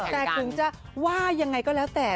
แต่ถึงจะว่ายังไงก็แล้วแต่